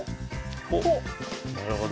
なるほど。